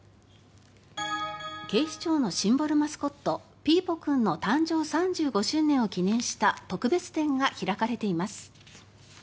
警視庁のシンボルマスコットピーポくんの誕生３５周年を記念した特別展が開かれています。